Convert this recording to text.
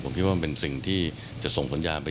ผมคิดว่ามันเป็นสิ่งที่จะส่งสัญญาไป